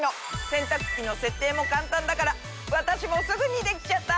洗濯機の設定も簡単だから私もすぐにできちゃった！